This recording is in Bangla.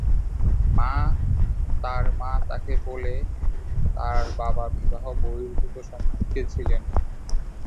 তাঁর মা তাকে বলেন তাঁর বাবা বিবাহ-বহির্ভূত সম্পর্কে ছিলেন।